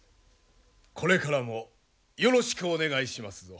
これからもよろしくお願いしますぞ。